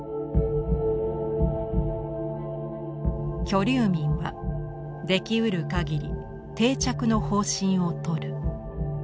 「居留民はできうる限り定着の方針をとる」。